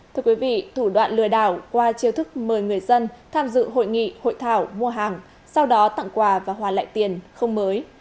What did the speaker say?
thưa quý vị thủ đoạn lừa đảo qua chiêu thức mời người dân tham dự hội nghị hội thảo mua hàng sau đó tặng quà và hoàn lại tiền không mới